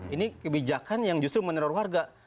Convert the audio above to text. ini kebijakan yang justru meneror warga